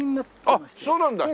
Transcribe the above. あっそうなんだ。